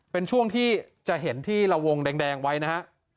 เป็นช่วงที่จะเห็นที่ละวงแดงไว้นะฮะ